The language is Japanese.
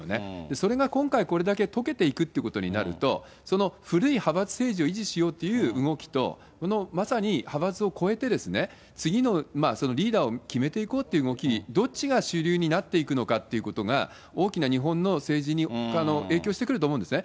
それが今回、これだけとけていくってことになると、その古い派閥政治を維持しようっていう動きと、まさに派閥を超えて次のリーダーを決めていこうっていう動きに、どっちが主流になっていくのかということが、大きな日本の政治に影響してくると思うですね。